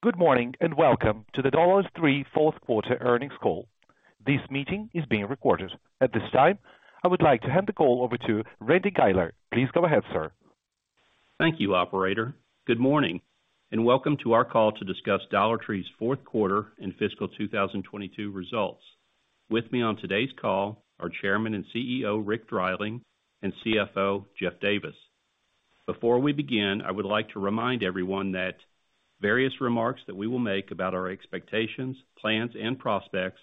Good morning, and welcome to the Dollar Tree fourth quarter earnings call. This meeting is being recorded. At this time, I would like to hand the call over to Randy Guiler. Please go ahead, sir. Thank you, operator. Good morning and welcome to our call to discuss Dollar Tree's fourth quarter and fiscal 2022 results. With me on today's call are Chairman and CEO, Rick Dreiling, and CFO, Jeff Davis. Before we begin, I would like to remind everyone that various remarks that we will make about our expectations, plans, and prospects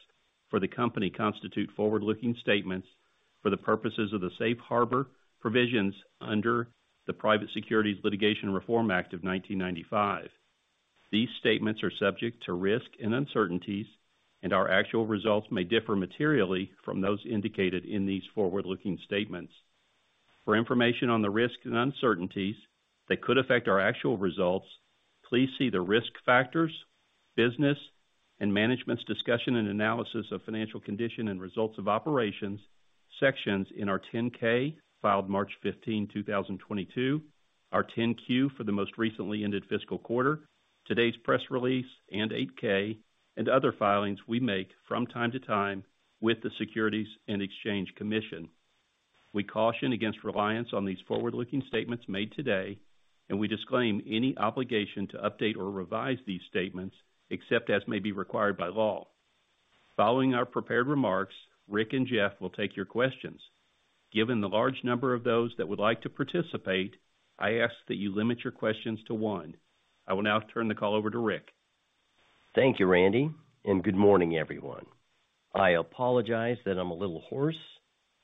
for the company constitute forward-looking statements for the purposes of the safe harbor provisions under the Private Securities Litigation Reform Act of 1995. These statements are subject to risk and uncertainties, our actual results may differ materially from those indicated in these forward-looking statements. For information on the risks and uncertainties that could affect our actual results, please see the Risk Factors, Business and Management's Discussion and Analysis of Financial Condition and Results of Operations sections in our 10-K filed March 15, 2022, our 10-Q for the most recently ended fiscal quarter, today's press release and 8-K, and other filings we make from time to time with the Securities and Exchange Commission. We caution against reliance on these forward-looking statements made today, and we disclaim any obligation to update or revise these statements except as may be required by law. Following our prepared remarks, Rick and Jeff will take your questions. Given the large number of those that would like to participate, I ask that you limit your questions to one. I will now turn the call over to Rick. Thank you, Randy, and good morning, everyone. I apologize that I'm a little hoarse.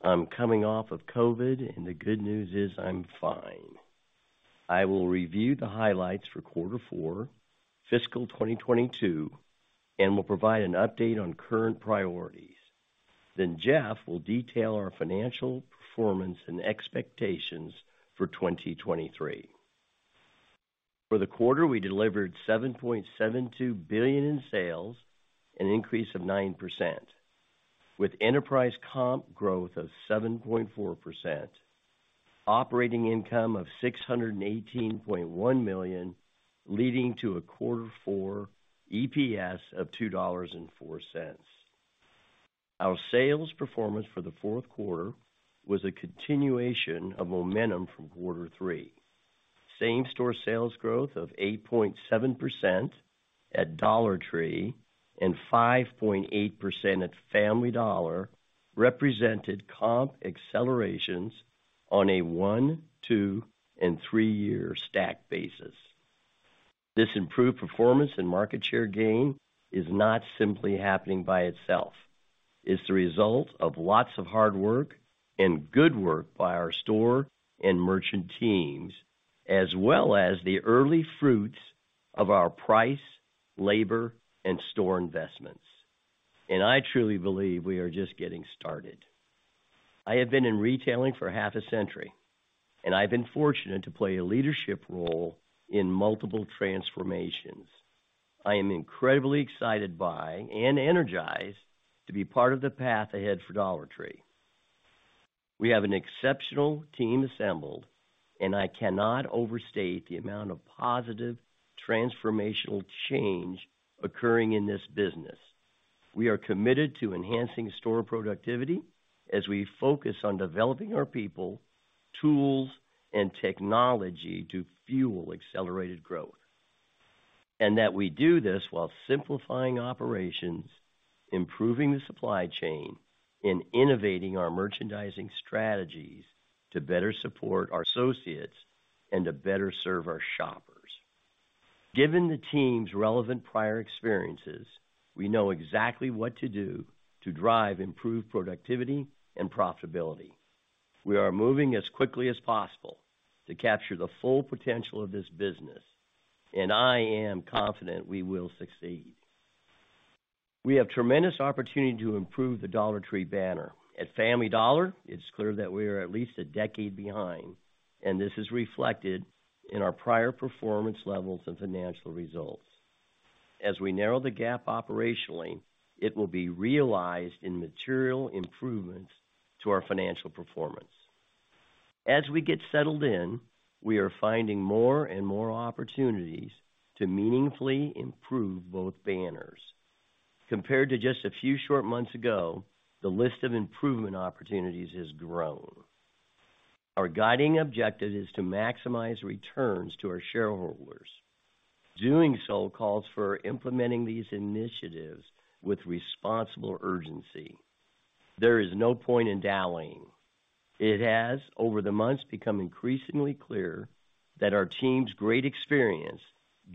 I'm coming off of COVID, and the good news is I'm fine. I will review the highlights for quarter four fiscal 2022 and will provide an update on current priorities. Jeff will detail our financial performance and expectations for 2023. For the quarter, we delivered $7.72 billion in sales, an increase of 9% with enterprise comp growth of 7.4%, operating income of $618.1 million, leading to a quarter four EPS of $2.04. Our sales performance for the fourth quarter was a continuation of momentum from quarter three. Same-store sales growth of 8.7% at Dollar Tree and 5.8% at Family Dollar represented comp accelerations on a one, two, and three-year stack basis. This improved performance and market share gain is not simply happening by itself. It's the result of lots of hard work and good work by our store and merchant teams, as well as the early fruits of our price, labor, and store investments. I truly believe we are just getting started. I have been in retailing for half a century, and I've been fortunate to play a leadership role in multiple transformations. I am incredibly excited by and energized to be part of the path ahead for Dollar Tree. We have an exceptional team assembled, and I cannot overstate the amount of positive transformational change occurring in this business. We are committed to enhancing store productivity as we focus on developing our people, tools, and technology to fuel accelerated growth. That we do this while simplifying operations, improving the supply chain, and innovating our merchandising strategies to better support our associates and to better serve our shoppers. Given the team's relevant prior experiences, we know exactly what to do to drive improved productivity and profitability. We are moving as quickly as possible to capture the full potential of this business, and I am confident we will succeed. We have tremendous opportunity to improve the Dollar Tree banner. At Family Dollar, it's clear that we are at least a decade behind, and this is reflected in our prior performance levels and financial results. As we narrow the gap operationally, it will be realized in material improvements to our financial performance. As we get settled in, we are finding more and more opportunities to meaningfully improve both banners. Compared to just a few short months ago, the list of improvement opportunities has grown. Our guiding objective is to maximize returns to our shareholders. Doing so calls for implementing these initiatives with responsible urgency. There is no point in dallying. It has, over the months, become increasingly clear that our team's great experience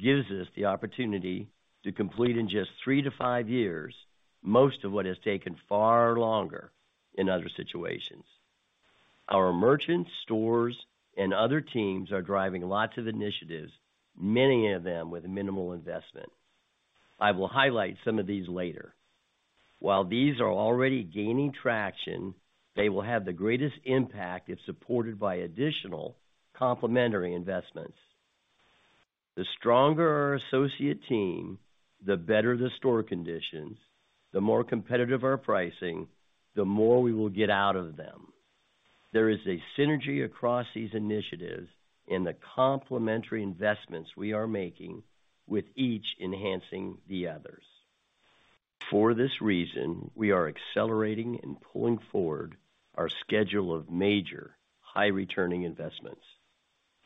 gives us the opportunity to complete in just 3-5 years most of what has taken far longer in other situations. Our merchants, stores, and other teams are driving lots of initiatives, many of them with minimal investment. I will highlight some of these later. While these are already gaining traction, they will have the greatest impact if supported by additional complementary investments. The stronger our associate team, the better the store conditions, the more competitive our pricing, the more we will get out of them. There is a synergy across these initiatives in the complementary investments we are making with each enhancing the others. For this reason, we are accelerating and pulling forward our schedule of major high returning investments.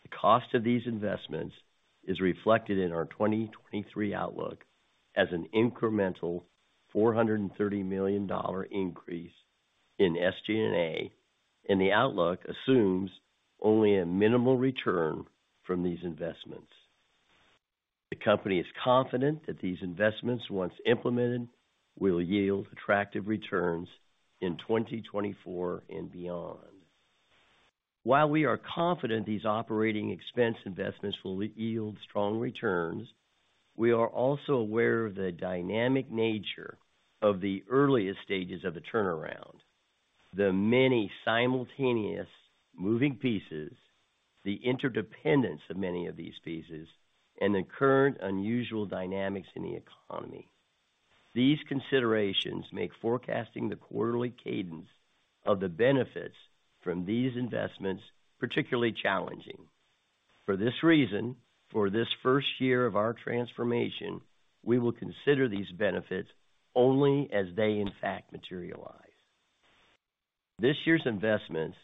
The cost of these investments is reflected in our 2023 outlook as an incremental $430 million increase in SG&A. The outlook assumes only a minimal return from these investments. The company is confident that these investments, once implemented, will yield attractive returns in 2024 and beyond. While we are confident these operating expense investments will yield strong returns, we are also aware of the dynamic nature of the earliest stages of the turnaround, the many simultaneous moving pieces, the interdependence of many of these pieces, and the current unusual dynamics in the economy. These considerations make forecasting the quarterly cadence of the benefits from these investments particularly challenging. For this reason, for this first year of our transformation, we will consider these benefits only as they in fact materialize. This year's investments,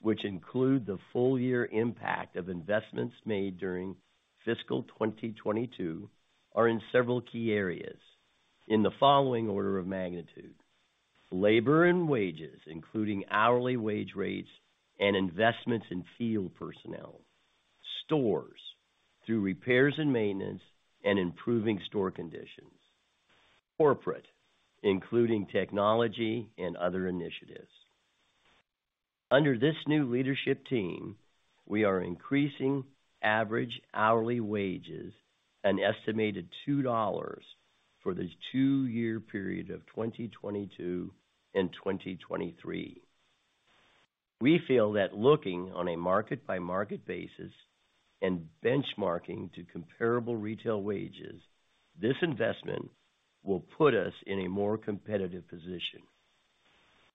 which include the full year impact of investments made during fiscal 2022, are in several key areas in the following order of magnitude. Labor and wages, including hourly wage rates and investments in field personnel. Stores through repairs and maintenance and improving store conditions. Corporate, including technology and other initiatives. Under this new leadership team, we are increasing average hourly wages an estimated $2 for the two-year period of 2022 and 2023. We feel that looking on a market-by-market basis and benchmarking to comparable retail wages, this investment will put us in a more competitive position.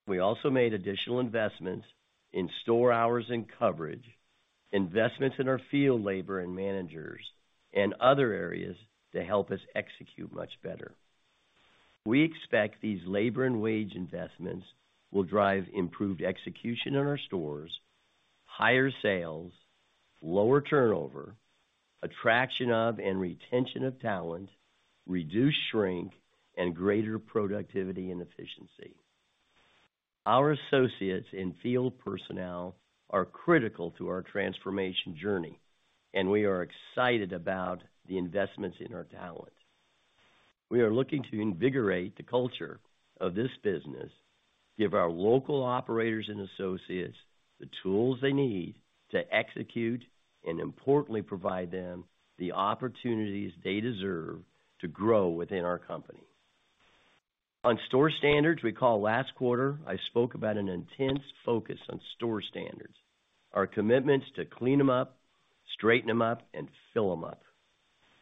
We also made additional investments in store hours and coverage, investments in our field labor and managers and other areas to help us execute much better. We expect these labor and wage investments will drive improved execution in our stores, higher sales, lower turnover, attraction of and retention of talent, reduced shrink, and greater productivity and efficiency. Our associates and field personnel are critical to our transformation journey, and we are excited about the investments in our talent. We are looking to invigorate the culture of this business, give our local operators and associates the tools they need to execute, and importantly, provide them the opportunities they deserve to grow within our company. On store standards, recall last quarter I spoke about an intense focus on store standards. Our commitments to clean them up, straighten them up and fill them up.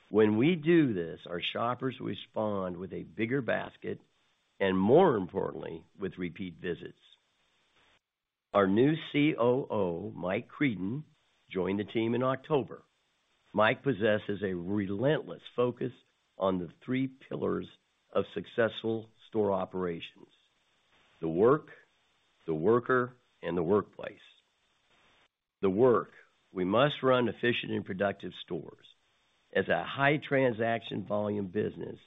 When we do this, our shoppers respond with a bigger basket and more importantly, with repeat visits. Our new COO, Mike Creedon, joined the team in October. Mike possesses a relentless focus on the 3 pillars of successful store operations, the work, the worker, and the workplace. The work. We must run efficient and productive stores. As a high transaction volume business,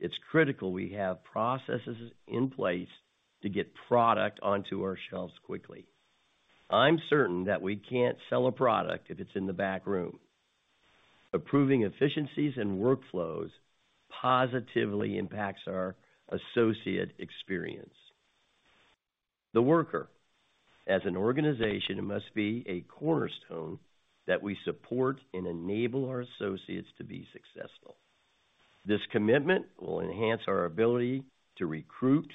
it's critical we have processes in place to get product onto our shelves quickly. I'm certain that we can't sell a product if it's in the back room. Approving efficiencies and workflows positively impacts our associate experience. The worker. As an organization, it must be a cornerstone that we support and enable our associates to be successful. This commitment will enhance our ability to recruit,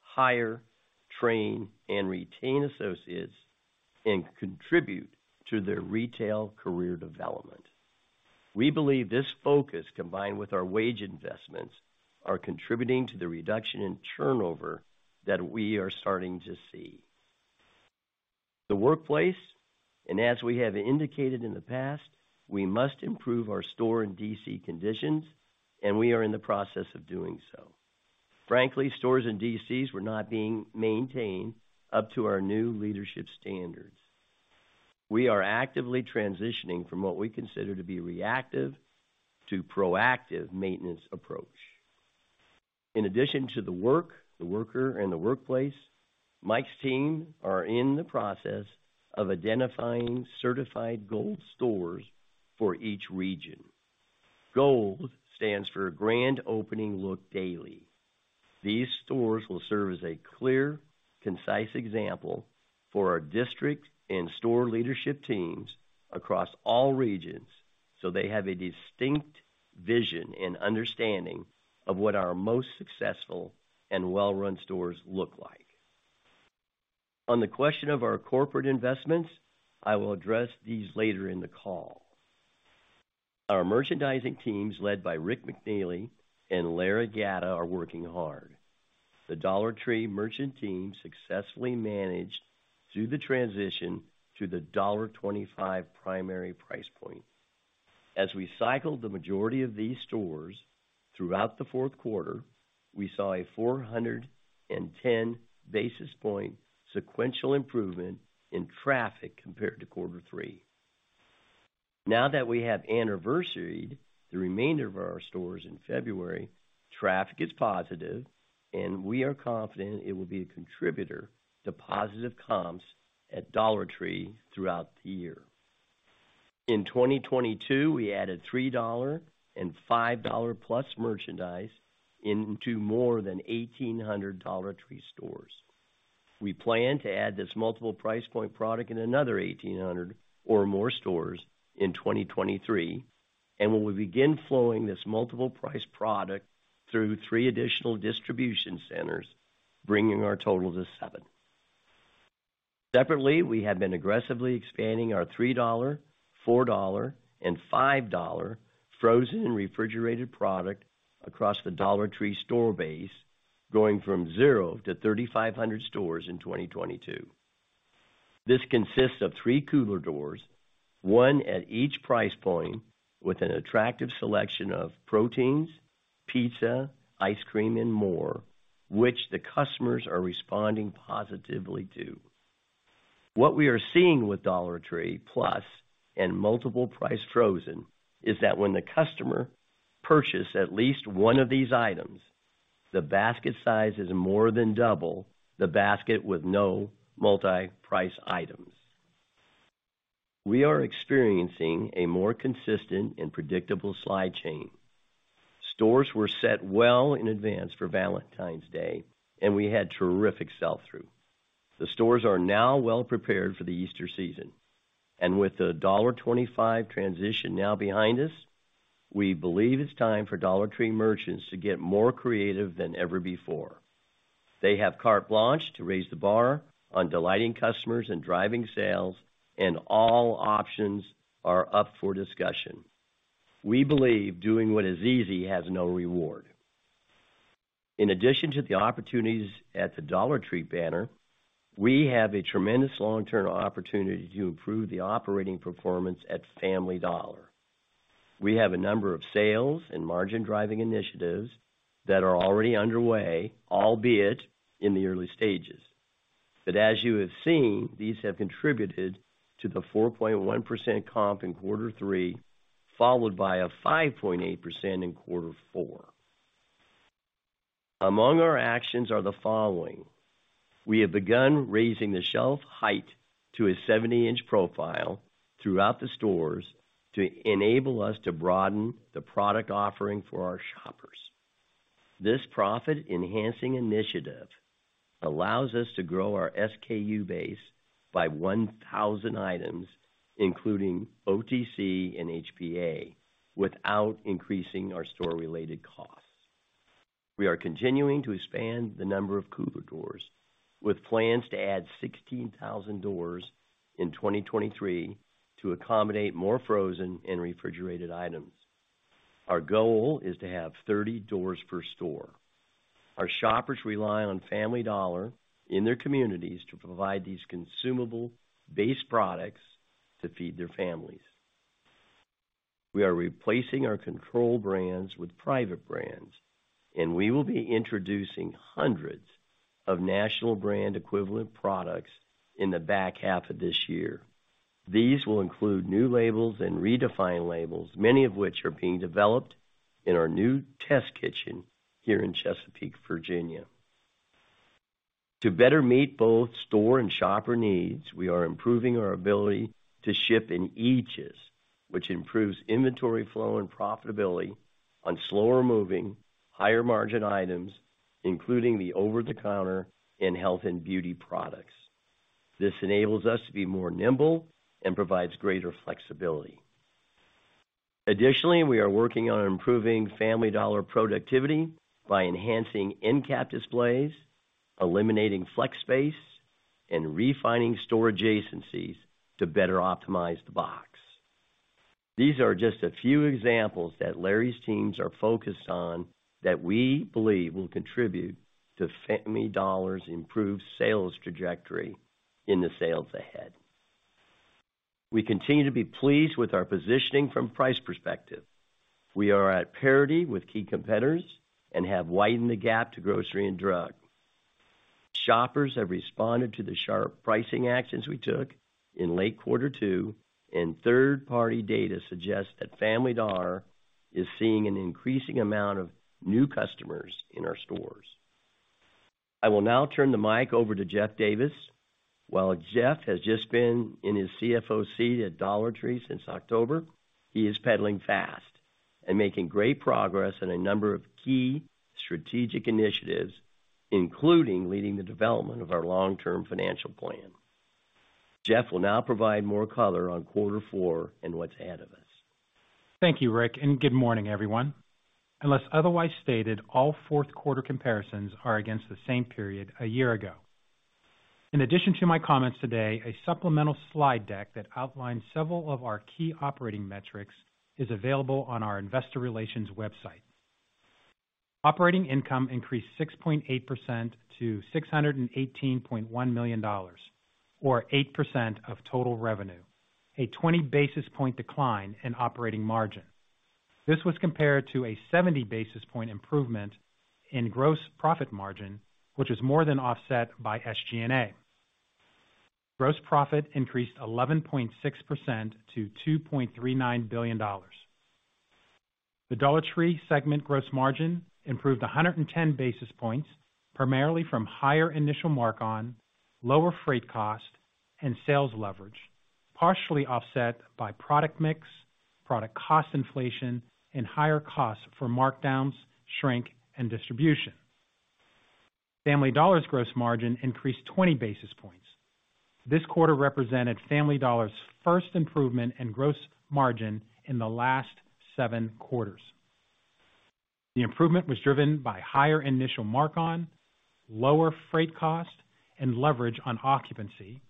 hire, train, and retain associates, and contribute to their retail career development. We believe this focus, combined with our wage investments, are contributing to the reduction in turnover that we are starting to see. The workplace, and as we have indicated in the past, we must improve our store and DC conditions and we are in the process of doing so. Frankly, stores and DCs were not being maintained up to our new leadership standards. We are actively transitioning from what we consider to be reactive to proactive maintenance approach. In addition to the work, the worker and the workplace, Mike's team are in the process of identifying certified GOLD stores for each region. GOLD stands for Grand Opening Look Daily. These stores will serve as a clear, concise example for our district and store leadership teams across all regions, so they have a distinct vision and understanding of what our most successful and well-run stores look like. On the question of our corporate investments, I will address these later in the call. Our merchandising teams, led by Rick McNeely and Larry Gatta, are working hard. The Dollar Tree merchant team successfully managed through the transition to the $1.25 primary price point. As we cycled the majority of these stores throughout the fourth quarter, we saw a 410 basis point sequential improvement in traffic compared to quarter 3. Now that we have anniversaried the remainder of our stores in February, traffic is positive, and we are confident it will be a contributor to positive comps at Dollar Tree throughout the year. In 2022, we added $3 and $5 Plus merchandise into more than 1,800 Dollar Tree stores. We plan to add this multiple price point product in another 1,800 or more stores in 2023, and we will begin flowing this multiple price product through three additional distribution centers, bringing our total to seven. Separately, we have been aggressively expanding our $3, $4 and $5 frozen and refrigerated product across the Dollar Tree store base, growing from 0 to 3,500 stores in 2022. This consists of 3 cooler doors, one at each price point, with an attractive selection of proteins, pizza, ice cream, and more, which the customers are responding positively to. What we are seeing with Dollar Tree Plus and multiple price frozen is that when the customer purchase at least one of these items, the basket size is more than double the basket with no multi-price items. We are experiencing a more consistent and predictable supply chain. Stores were set well in advance for Valentine's Day, and we had terrific sell-through. The stores are now well-prepared for the Easter season, and with the $1.25 transition now behind us, we believe it's time for Dollar Tree merchants to get more creative than ever before. They have carte blanche to raise the bar on delighting customers and driving sales, and all options are up for discussion. We believe doing what is easy has no reward. In addition to the opportunities at the Dollar Tree banner, we have a tremendous long-term opportunity to improve the operating performance at Family Dollar. We have a number of sales and margin-driving initiatives that are already underway, albeit in the early stages, but as you have seen, these have contributed to the 4.1% comp in quarter three, followed by a 5.8% in quarter four. Among our actions are the following. We have begun raising the shelf height to a 70-inch profile throughout the stores to enable us to broaden the product offering for our shoppers. This profit-enhancing initiative allows us to grow our SKU base by 1,000 items, including OTC and HPA, without increasing our store-related costs. We are continuing to expand the number of cooler doors, with plans to add 16,000 doors in 2023 to accommodate more frozen and refrigerated items. Our goal is to have 30 doors per store. Our shoppers rely on Family Dollar in their communities to provide these consumable base products to feed their families. We are replacing our control brands with private brands, and we will be introducing hundreds of national brand equivalent products in the back half of this year. These will include new labels and redefined labels, many of which are being developed in our new test kitchen here in Chesapeake, Virginia. To better meet both store and shopper needs, we are improving our ability to ship in eaches, which improves inventory flow and profitability on slower-moving, higher-margin items, including the over-the-counter and health and beauty products. This enables us to be more nimble and provides greater flexibility. Additionally, we are working on improving Family Dollar productivity by enhancing endcap displays, eliminating flex space, and refining store adjacencies to better optimize the box. These are just a few examples that Larry's teams are focused on that we believe will contribute to Family Dollar's improved sales trajectory in the sales ahead. We continue to be pleased with our positioning from price perspective. We are at parity with key competitors and have widened the gap to grocery and drug. Shoppers have responded to the sharp pricing actions we took in late quarter two, and third-party data suggests that Family Dollar is seeing an increasing amount of new customers in our stores. I will now turn the mic over to Jeff Davis. While Jeff has just been in his CFO at Dollar Tree since October, he is pedaling fast and making great progress on a number of key strategic initiatives, including leading the development of our long-term financial plan. Jeff will now provide more color on quarter four and what's ahead of us. Thank you, Rick. Good morning, everyone. Unless otherwise stated, all fourth quarter comparisons are against the same period a year ago. In addition to my comments today, a supplemental slide deck that outlines several of our key operating metrics is available on our investor relations website. Operating income increased 6.8% to $618.1 million, or 8% of total revenue, a 20 basis point decline in operating margin. This was compared to a 70 basis point improvement in gross profit margin, which was more than offset by SG&A. Gross profit increased 11.6% to $2.39 billion. The Dollar Tree segment gross margin improved 110 basis points, primarily from higher initial mark-on, lower freight cost, and sales leverage, partially offset by product mix, product cost inflation, and higher costs for markdowns, shrink, and distribution. Family Dollar's gross margin increased 20 basis points. This quarter represented Family Dollar's first improvement in gross margin in the last 7 quarters. The improvement was driven by higher initial mark-on, lower freight cost, and leverage on occupancy,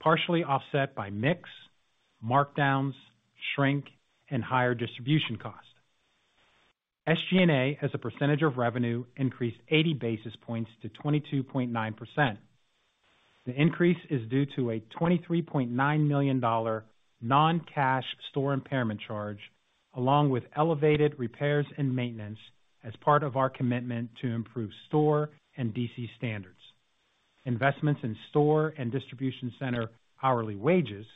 partially offset by mix, markdowns, shrink, and higher distribution cost. SG&A, as a percentage of revenue, increased 80 basis points to 22.9%. The increase is due to a $23.9 million non-cash store impairment charge, along with elevated repairs and maintenance as part of our commitment to improve store and DC standards, investments in store and distribution center hourly wages,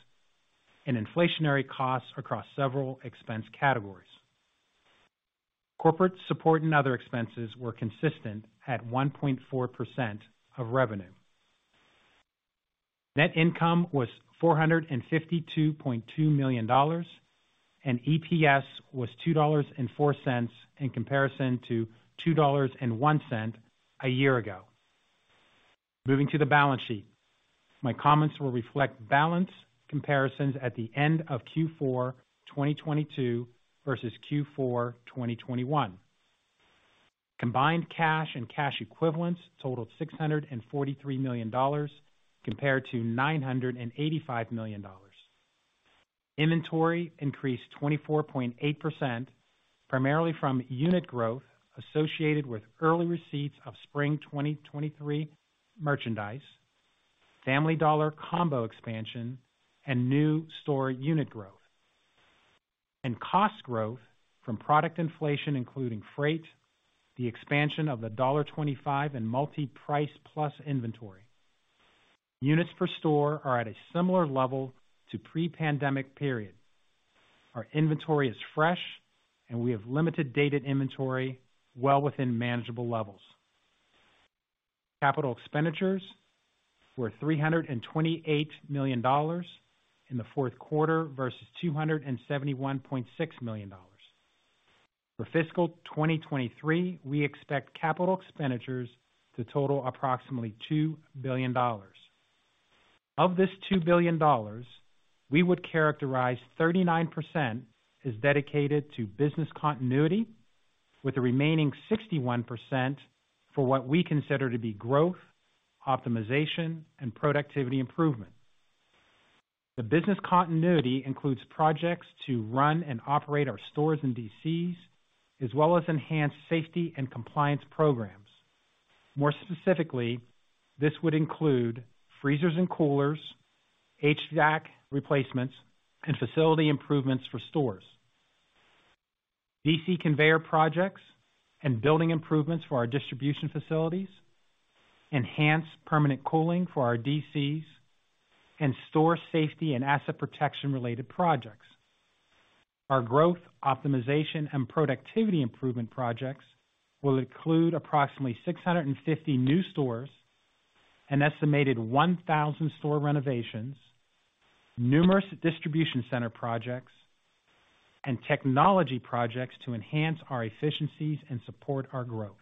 and inflationary costs across several expense categories. Corporate support and other expenses were consistent at 1.4% of revenue. Net income was $452.2 million, and EPS was $2.04 in comparison to $2.01 a year ago. Moving to the balance sheet. My comments will reflect balance comparisons at the end of Q4 2022 versus Q4 2021. Combined cash and cash equivalents totaled $643 million compared to $985 million. Inventory increased 24.8%, primarily from unit growth associated with early receipts of spring 2023 merchandise, Family Dollar combo expansion, and new store unit growth. Cost growth from product inflation, including freight, the expansion of the $1.25 and multi-price plus inventory. Units per store are at a similar level to pre-pandemic period. Our inventory is fresh, and we have limited dated inventory well within manageable levels. Capital expenditures were $328 million in the fourth quarter versus $271.6 million. For fiscal 2023, we expect capital expenditures to total approximately $2 billion. Of this $2 billion, we would characterize 39% is dedicated to business continuity, with the remaining 61% for what we consider to be growth, optimization, and productivity improvement. The business continuity includes projects to run and operate our stores in DCs, as well as enhanced safety and compliance programs. More specifically, this would include freezers and coolers, HVAC replacements, and facility improvements for stores, DC conveyor projects, and building improvements for our distribution facilities, enhanced permanent cooling for our DCs, and store safety and asset protection-related projects. Our growth, optimization, and productivity improvement projects will include approximately 650 new stores, an estimated 1,000 store renovations, numerous distribution center projects, and technology projects to enhance our efficiencies and support our growth.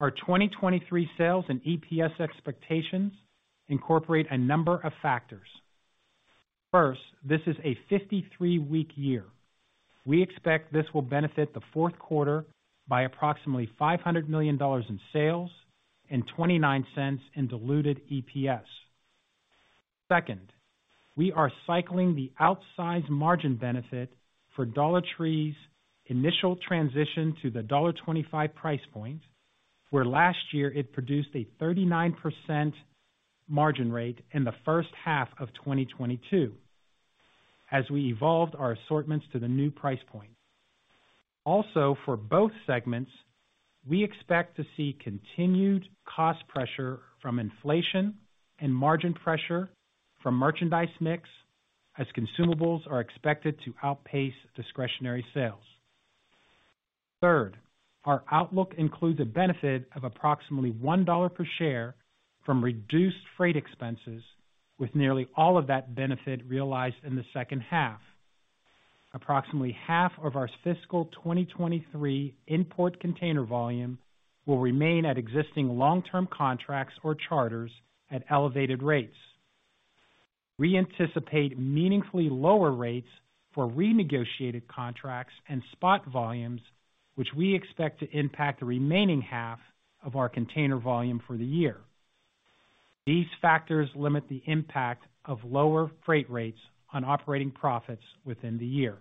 Our 2023 sales and EPS expectations incorporate a number of factors. First, this is a 53-week year. We expect this will benefit the fourth quarter by approximately $500 million in sales and $0.29 in diluted EPS. Second, we are cycling the outsized margin benefit for Dollar Tree's initial transition to the $1.25 price point, where last year it produced a 39% margin rate in the first half of 2022, as we evolved our assortments to the new price point. For both segments, we expect to see continued cost pressure from inflation and margin pressure from merchandise mix, as consumables are expected to outpace discretionary sales. Third, our outlook includes a benefit of approximately $1 per share from reduced freight expenses, with nearly all of that benefit realized in the second half. Approximately half of our fiscal 2023 import container volume will remain at existing long-term contracts or charters at elevated rates. We anticipate meaningfully lower rates for renegotiated contracts and spot volumes, which we expect to impact the remaining half of our container volume for the year. These factors limit the impact of lower freight rates on operating profits within the year.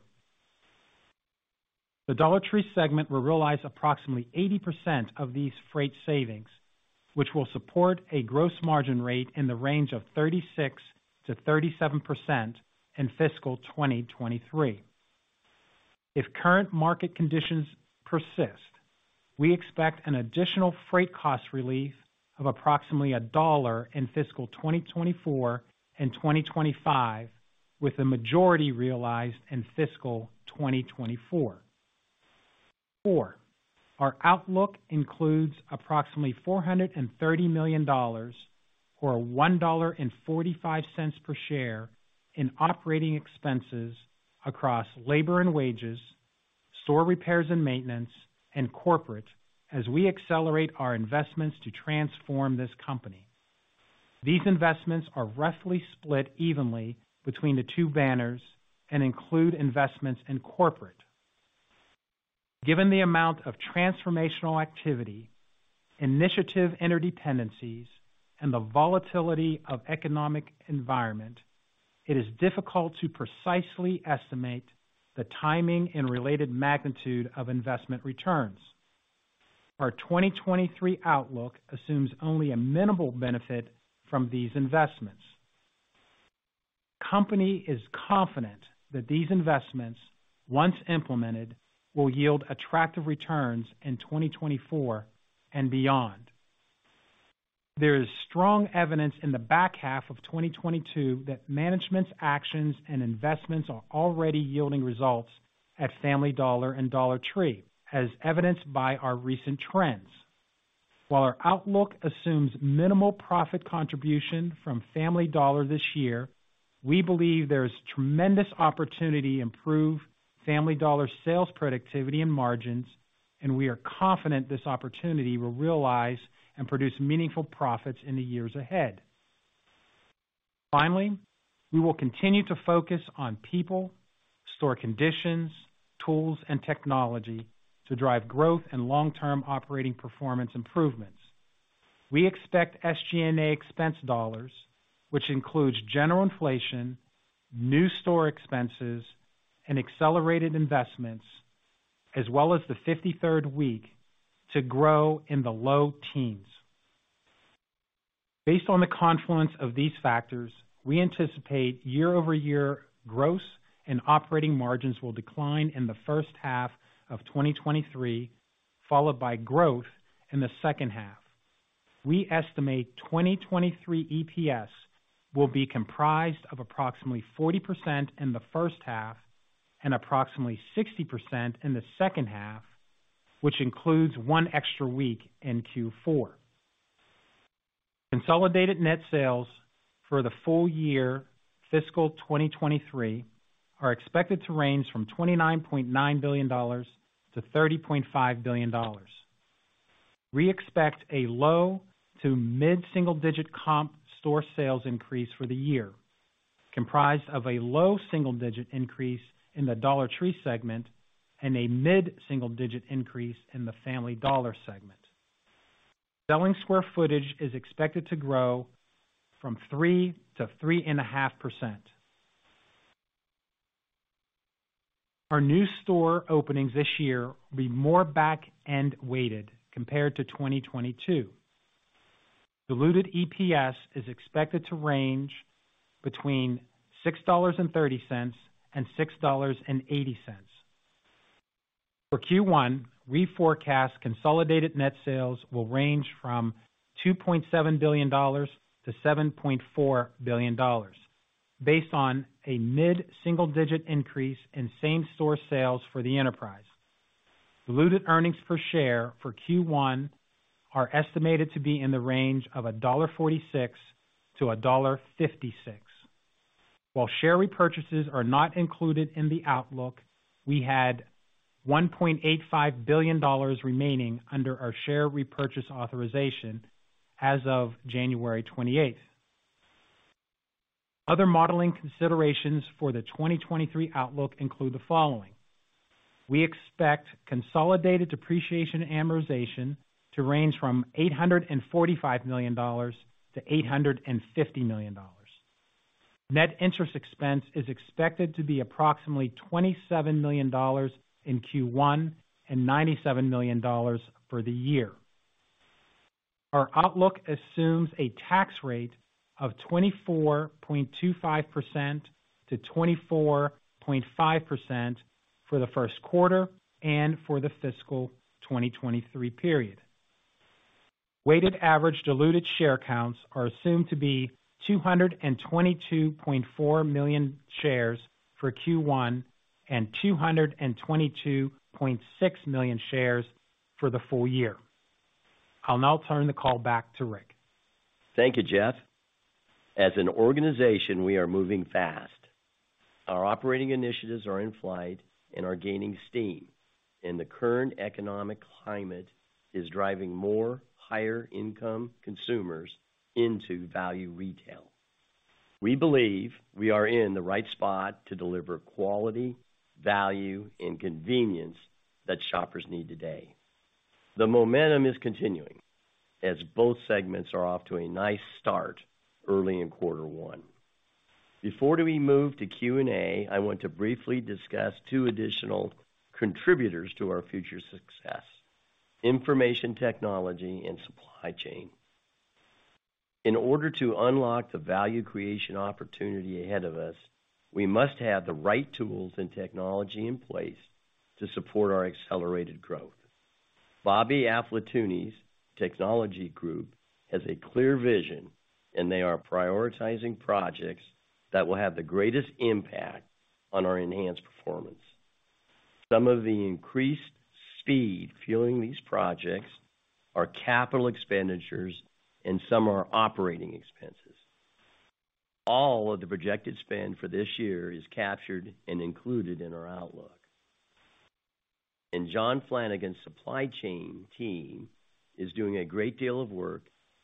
The Dollar Tree segment will realize approximately 80% of these freight savings, which will support a gross margin rate in the range of 36%-37% in fiscal 2023. If current market conditions persist, we expect an additional freight cost relief of approximately $1 in fiscal 2024 and 2025, with the majority realized in fiscal 2024. 4, our outlook includes approximately $430 million, or $1.45 per share in operating expenses across labor and wages, store repairs and maintenance, and corporate as we accelerate our investments to transform this company. These investments are roughly split evenly between the two banners and include investments in corporate. Given the amount of transformational activity, initiative interdependencies, and the volatility of economic environment, it is difficult to precisely estimate the timing and related magnitude of investment returns. Our 2023 outlook assumes only a minimal benefit from these investments. Company is confident that these investments, once implemented, will yield attractive returns in 2024 and beyond. There is strong evidence in the back half of 2022 that management's actions and investments are already yielding results at Family Dollar and Dollar Tree, as evidenced by our recent trends. While our outlook assumes minimal profit contribution from Family Dollar this year, we believe there's tremendous opportunity to improve Family Dollar sales productivity and margins. We are confident this opportunity will realize and produce meaningful profits in the years ahead. Finally, we will continue to focus on people, store conditions, tools, and technology to drive growth and long-term operating performance improvements. We expect SG&A expense dollars, which includes general inflation, new store expenses, and accelerated investments, as well as the fifty-third week to grow in the low teens. Based on the confluence of these factors, we anticipate year-over-year gross and operating margins will decline in the first half of 2023, followed by growth in the second half. We estimate 2023 EPS will be comprised of approximately 40% in the first half and approximately 60% in the second half, which includes one extra week in Q4. Consolidated net sales for the full year fiscal 2023 are expected to range from $29.9 billion-$30.5 billion. We expect a low to mid-single digit comp store sales increase for the year, comprised of a low single digit increase in the Dollar Tree segment and a mid-single digit increase in the Family Dollar segment. Selling square footage is expected to grow from 3%-3.5%. Our new store openings this year will be more back-end weighted compared to 2022. Diluted EPS is expected to range between $6.30 and $6.80. For Q1, we forecast consolidated net sales will range from $2.7 billion-$7.4 billion based on a mid-single digit increase in same-store sales for the enterprise. Diluted earnings per share for Q1 are estimated to be in the range of $1.46-$1.56. While share repurchases are not included in the outlook, we had $1.85 billion remaining under our share repurchase authorization as of January 28th. Other modeling considerations for the 2023 outlook include the following. We expect consolidated depreciation amortization to range from $845 million-$850 million. Net interest expense is expected to be approximately $27 million in Q1 and $97 million for the year. Our outlook assumes a tax rate of 24.25%-24.5% for the first quarter and for the fiscal 2023 period. Weighted average diluted share counts are assumed to be 222.4 million shares for Q1 and 222.4 million shares for the full year. I'll now turn the call back to Rick. Thank you, Jeff. As an organization, we are moving fast. Our operating initiatives are in flight and are gaining steam. The current economic climate is driving more higher income consumers into value retail. We believe we are in the right spot to deliver quality, value and convenience that shoppers need today. The momentum is continuing as both segments are off to a nice start early in quarter one. Before we move to Q&A, I want to briefly discuss two additional contributors to our future success, information technology and supply chain. In order to unlock the value creation opportunity ahead of us, we must have the right tools and technology in place to support our accelerated growth. Bobby Aflatooni technology group has a clear vision and they are prioritizing projects that will have the greatest impact on our enhanced performance. Some of the increased speed fueling these projects are capital expenditures and some are operating expenses. All of the projected spend for this year is captured and included in our outlook. Mike Kindy's supply chain team is doing a great deal of work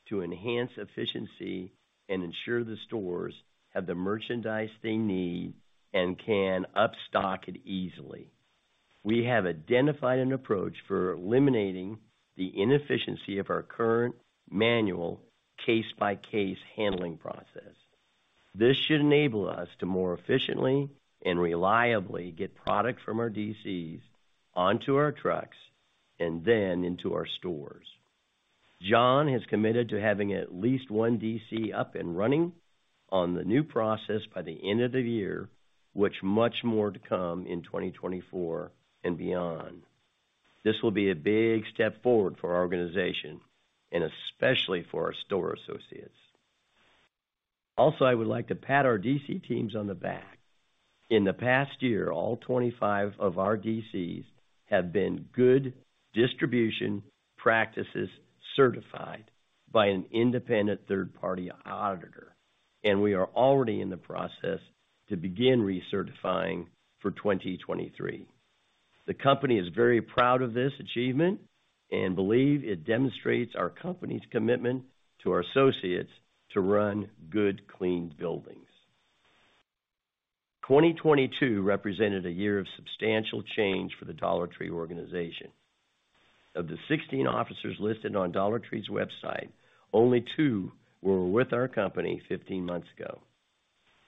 to enhance efficiency and ensure the stores have the merchandise they need and can up stock it easily. We have identified an approach for eliminating the inefficiency of our current manual case-by-case handling process. This should enable us to more efficiently and reliably get product from our DCs onto our trucks and then into our stores. John has committed to having at least one DC up and running on the new process by the end of the year, with much more to come in 2024 and beyond. This will be a big step forward for our organization and especially for our store associates. I would like to pat our D.C. teams on the back. In the past year, all 25 of our D.C.s have been Good Distribution Practices certified by an independent third-party auditor, and we are already in the process to begin recertifying for 2023. The company is very proud of this achievement and believe it demonstrates our company's commitment to our associates to run good, clean buildings. 2022 represented a year of substantial change for the Dollar Tree organization. Of the 16 officers listed on Dollar Tree's website, only 2 were with our company 15 months ago.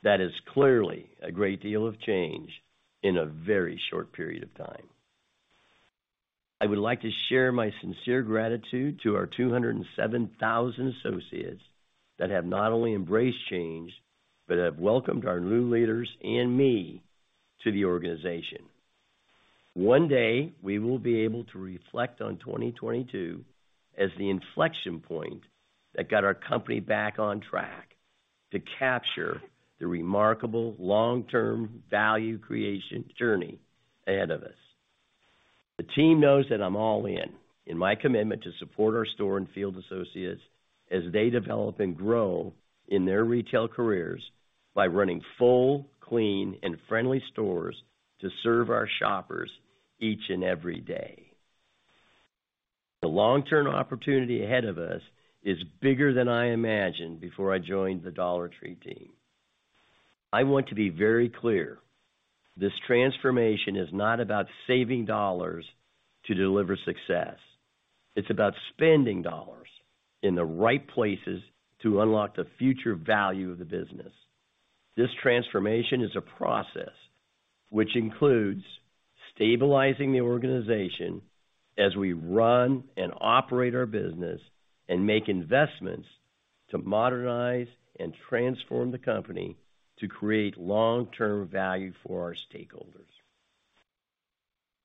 That is clearly a great deal of change in a very short period of time. I would like to share my sincere gratitude to our 207,000 associates that have not only embraced change, but have welcomed our new leaders and me to the organization. One day, we will be able to reflect on 2022 as the inflection point that got our company back on track to capture the remarkable long-term value creation journey ahead of us. The team knows that I'm all in my commitment to support our store and field associates as they develop and grow in their retail careers by running full, clean and friendly stores to serve our shoppers each and every day. The long-term opportunity ahead of us is bigger than I imagined before I joined the Dollar Tree team. I want to be very clear, this transformation is not about saving dollars to deliver success. It's about spending dollars in the right places to unlock the future value of the business. This transformation is a process which includes stabilizing the organization as we run and operate our business and make investments to modernize and transform the company to create long-term value for our stakeholders.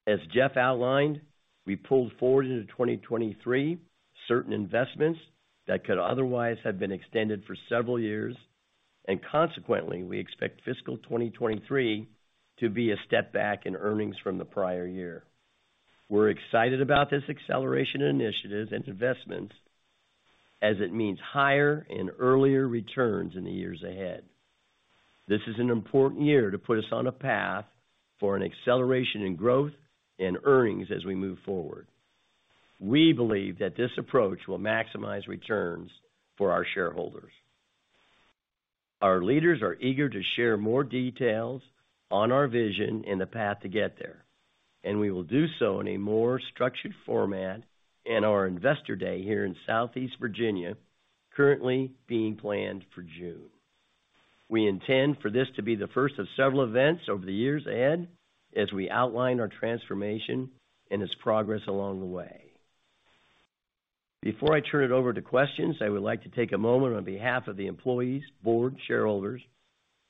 As Jeff outlined, we pulled forward into 2023 certain investments that could otherwise have been extended for several years, and consequently, we expect fiscal 2023 to be a step back in earnings from the prior year. We're excited about this acceleration initiative and investments as it means higher and earlier returns in the years ahead. This is an important year to put us on a path for an acceleration in growth and earnings as we move forward. We believe that this approach will maximize returns for our shareholders. Our leaders are eager to share more details on our vision and the path to get there, and we will do so in a more structured format in our Investor Day here in Southeast Virginia, currently being planned for June. We intend for this to be the first of several events over the years ahead as we outline our transformation and its progress along the way. Before I turn it over to questions, I would like to take a moment on behalf of the employees, board, shareholders,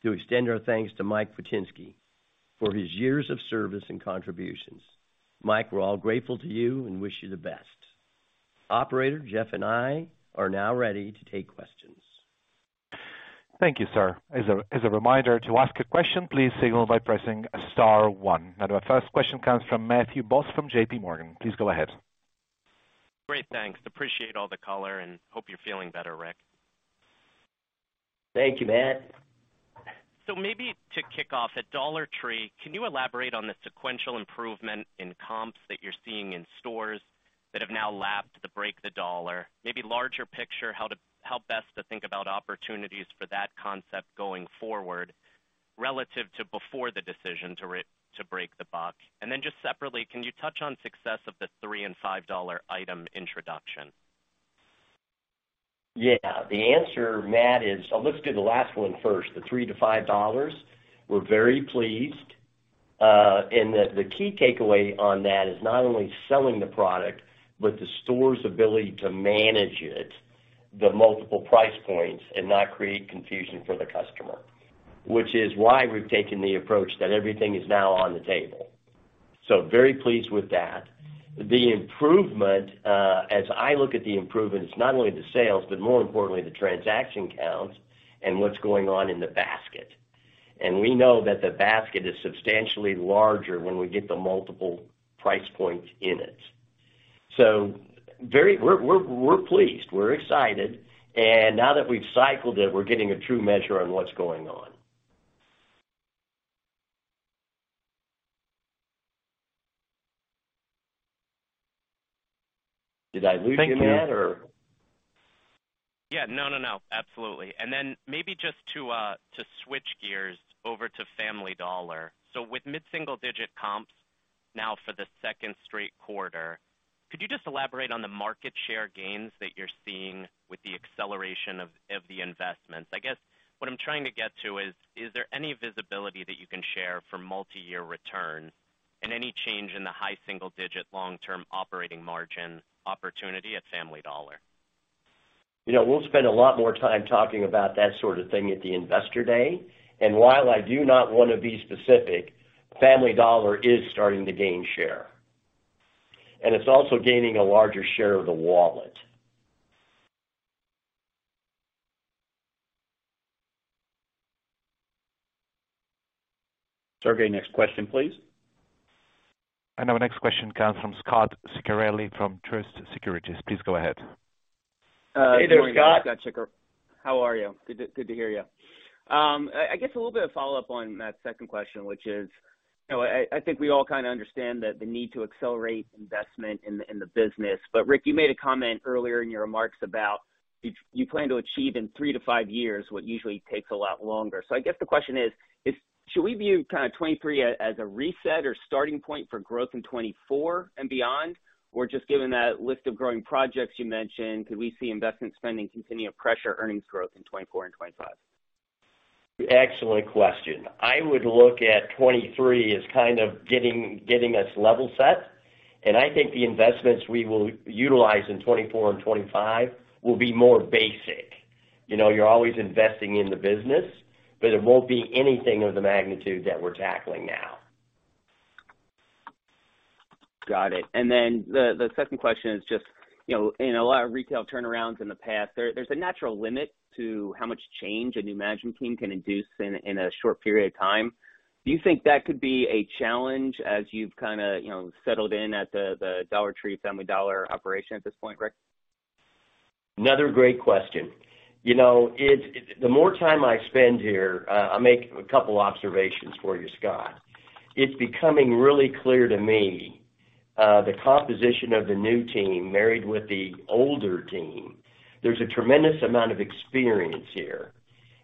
to extend our thanks to Mike Witynski for his years of service and contributions. Mike, we're all grateful to you and wish you the best. Operator, Jeff and I are now ready to take questions. Thank you, sir. As a reminder, to ask a question, please signal by pressing star one. The first question comes from Matthew Boss from JPMorgan. Please go ahead. Great. Thanks. Appreciate all the color. Hope you're feeling better, Rick. Thank you, Matt. Maybe to kick off at Dollar Tree, can you elaborate on the sequential improvement in comps that you're seeing in stores that have now lapped the Break the Dollar? Maybe larger picture, how best to think about opportunities for that concept going forward relative to before the decision to break the buck. And then just separately, can you touch on success of the 3 and 5 dollar item introduction? Yeah. The answer, Matt, is let's do the last one first. The $3-$5, we're very pleased. The key takeaway on that is not only selling the product but the store's ability to manage it, the multiple price points, and not create confusion for the customer, which is why we've taken the approach that everything is now on the table. Very pleased with that. The improvement, as I look at the improvements, not only the sales but more importantly, the transaction counts and what's going on in the basket. We know that the basket is substantially larger when we get the multiple price points in it. We're pleased, we're excited. Now that we've cycled it, we're getting a true measure on what's going on. Did I lose you, Matt, or? Yeah. No, no, absolutely. Maybe just to switch gears over to Family Dollar. With mid-single-digit comps now for the second straight quarter, could you just elaborate on the market share gains that you're seeing with the acceleration of the investments? I guess what I'm trying to get to is there any visibility that you can share for multiyear return and any change in the high single digit long-term operating margin opportunity at Family Dollar? You know, we'll spend a lot more time talking about that sort of thing at the Investor Day. While I do not wanna be specific, Family Dollar is starting to gain share, and it's also gaining a larger share of the wallet. Sergei, next question, please. Our next question comes from Scot Ciccarelli from Truist Securities. Please go ahead. Hey there, Scott. Good morning, Scot Ciccarelli. How are you? Good to hear you. I guess a little bit of follow-up on that second question, which is, you know, I think we all kinda understand that the need to accelerate investment in the business. Rick, you made a comment earlier in your remarks about you plan to achieve in three to five years what usually takes a lot longer. I guess the question is should we view kinda 2023 as a reset or starting point for growth in 2024 and beyond? Or just given that list of growing projects you mentioned, could we see investment spending continue to pressure earnings growth in 2024 and 2025? Excellent question. I would look at 23 as kind of getting us level set. I think the investments we will utilize in 2024 and 2025 will be more basic. You know, you're always investing in the business, but it won't be anything of the magnitude that we're tackling now. Got it. The second question is just, you know, in a lot of retail turnarounds in the past, there's a natural limit to how much change a new management team can induce in a short period of time. Do you think that could be a challenge as you've kinda, you know, settled in at the Dollar Tree, Family Dollar operation at this point, Rick? Another great question. You know, the more time I spend here, I'll make a couple observations for you, Scott. It's becoming really clear to me, the composition of the new team married with the older team. There's a tremendous amount of experience here,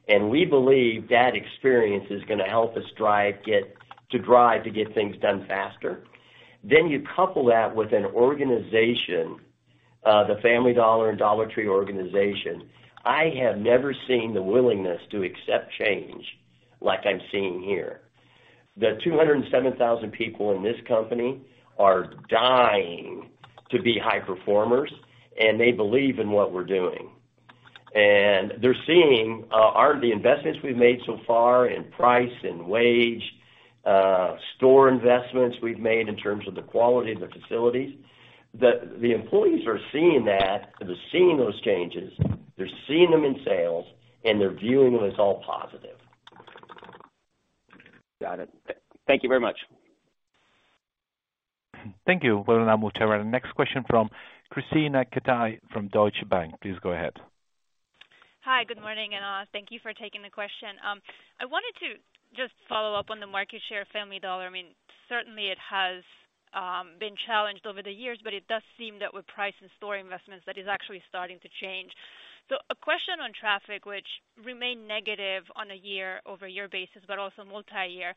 and we believe that experience is gonna help us drive to get things done faster. You couple that with an organization, the Family Dollar and Dollar Tree organization. I have never seen the willingness to accept change like I'm seeing here. The 207,000 people in this company are dying to be high performers, and they believe in what we're doing. They're seeing the investments we've made so far in price and wage, store investments we've made in terms of the quality of the facilities, the employees are seeing that. They're seeing those changes, they're seeing them in sales, and they're viewing them as all positive. Got it. Thank you very much. Thank you. Well, now I'll move to our next question from Kristina Katai from Deutsche Bank. Please go ahead. Hi. Good morning, and, thank you for taking the question. I wanted to just follow up on the market share of Family Dollar. I mean, certainly it has been challenged over the years, but it does seem that with price and store investments, that is actually starting to change. A question on traffic, which remained negative on a year-over-year basis, but also multi-year.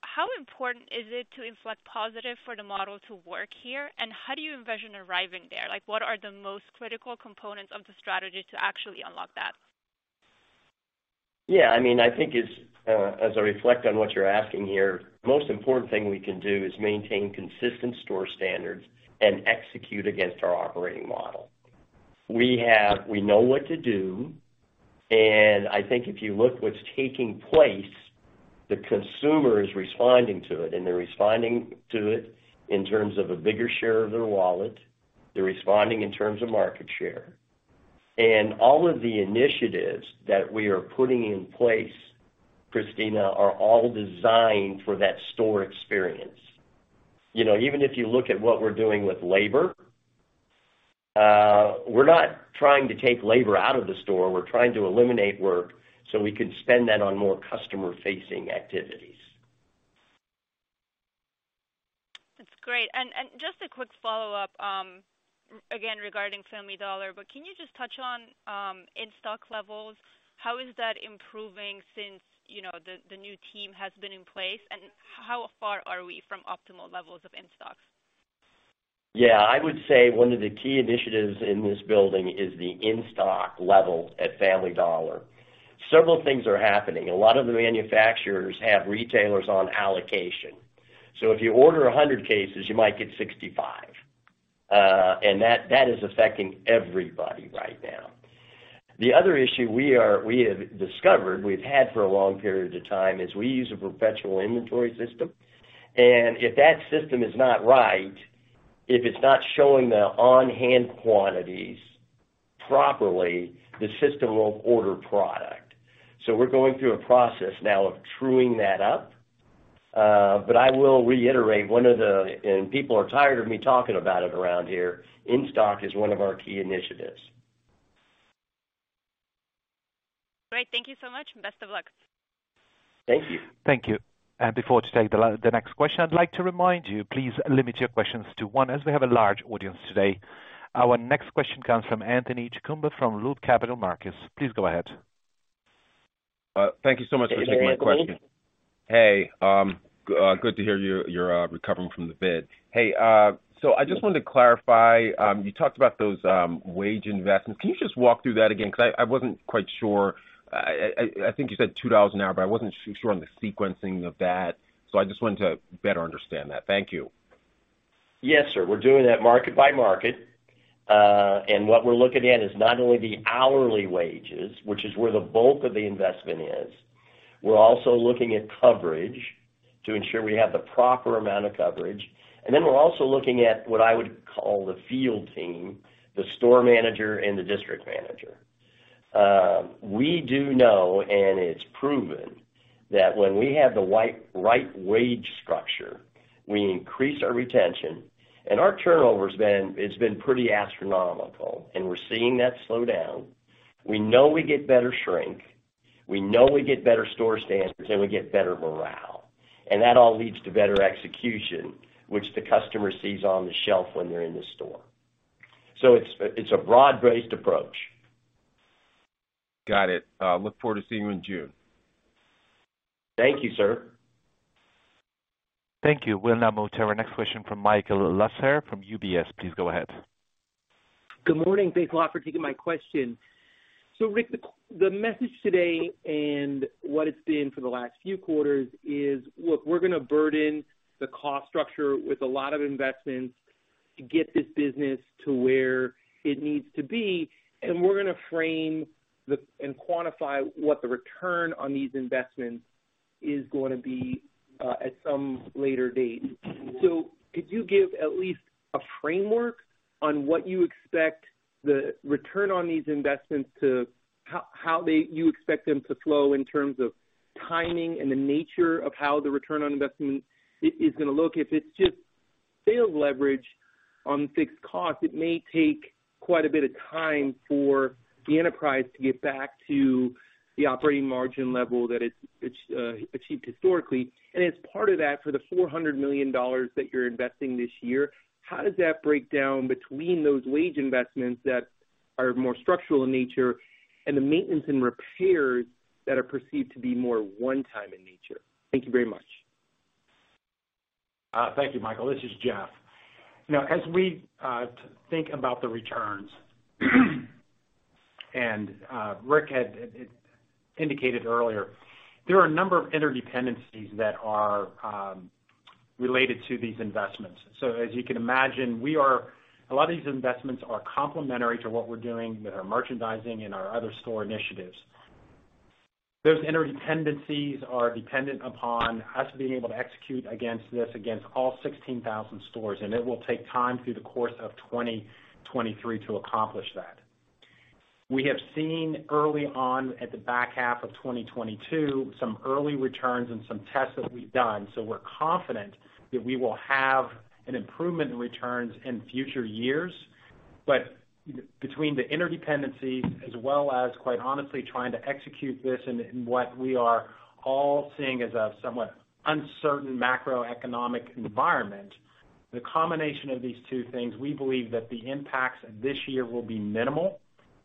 How important is it to inflect positive for the model to work here, and how do you envision arriving there? Like, what are the most critical components of the strategy to actually unlock that? Yeah, I mean, I think it's as I reflect on what you're asking here, the most important thing we can do is maintain consistent store standards and execute against our operating model. We know what to do. I think if you look what's taking place, the consumer is responding to it, and they're responding to it in terms of a bigger share of their wallet. They're responding in terms of market share. All of the initiatives that we are putting in place, Christina, are all designed for that store experience. You know, even if you look at what we're doing with labor, we're not trying to take labor out of the store. We're trying to eliminate work so we can spend that on more customer-facing activities. That's great. Just a quick follow-up, again, regarding Family Dollar. Can you just touch on, in-stock levels? How is that improving since, you know, the new team has been in place, and how far are we from optimal levels of in-stocks? Yeah, I would say one of the key initiatives in this building is the in-stock level at Family Dollar. Several things are happening. A lot of the manufacturers have retailers on allocation, so if you order 100 cases, you might get 65. That is affecting everybody right now. The other issue we have discovered, we've had for a long period of time, is we use a perpetual inventory system. If that system is not right, if it's not showing the on-hand quantities properly, the system won't order product. We're going through a process now of truing that up. I will reiterate one of the... people are tired of me talking about it around here, in-stock is one of our key initiatives. Great. Thank you so much. Best of luck. Thank you. Thank you. Before to take the next question, I'd like to remind you, please limit your questions to one as we have a large audience today. Our next question comes from Anthony Chukumba from Loop Capital Markets. Please go ahead. Thank you so much for taking my question. Hey, Anthony. Hey. Good to hear you're recovering from the bid. Hey, I just wanted to clarify, you talked about those wage investments. Can you just walk through that again? Because I wasn't quite sure. I think you said $2 an hour, but I wasn't so sure on the sequencing of that. I just wanted to better understand that. Thank you. Yes, sir. We're doing that market by market. What we're looking at is not only the hourly wages, which is where the bulk of the investment is, we're also looking at coverage to ensure we have the proper amount of coverage. We're also looking at what I would call the field team, the store manager and the district manager. We do know, and it's proven, that when we have the right wage structure, we increase our retention. It's been pretty astronomical, and we're seeing that slow down. We know we get better shrink. We know we get better store standards, and we get better morale. That all leads to better execution, which the customer sees on the shelf when they're in the store. It's, it's a broad-based approach. Got it. Look forward to seeing you in June. Thank you, sir. Thank you. We'll now move to our next question from Michael Lasser from UBS. Please go ahead. Good morning. Thanks a lot for taking my question. Rick, the message today and what it's been for the last few quarters is, look, we're gonna burden the cost structure with a lot of investments to get this business to where it needs to be, and we're gonna frame and quantify what the return on these investments is gonna be at some later date. Could you give at least a framework on what you expect the return on these investments to... How you expect them to flow in terms of timing and the nature of how the return on investment is gonna look? If it's just sales leverage on fixed costs, it may take quite a bit of time for the enterprise to get back to the operating margin level that it's achieved historically. As part of that, for the $400 million that you're investing this year, how does that break down between those wage investments that are more structural in nature and the maintenance and repairs that are perceived to be more one-time in nature? Thank you very much. Thank you, Michael. This is Jeff. As we think about the returns, Rick had indicated earlier, there are a number of interdependencies that are related to these investments. As you can imagine, a lot of these investments are complementary to what we're doing with our merchandising and our other store initiatives. Those interdependencies are dependent upon us being able to execute against this, against all 16,000 stores, it will take time through the course of 2023 to accomplish that. We have seen early on at the back half of 2022 some early returns and some tests that we've done, we're confident that we will have an improvement in returns in future years. Between the interdependencies as well as, quite honestly, trying to execute this in what we are all seeing as a somewhat uncertain macroeconomic environment, the combination of these two things, we believe that the impacts this year will be minimal.